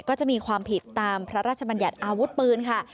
ก็จะมีความผิดตามพระราชบัญญัติอาวุธปืนค่ะ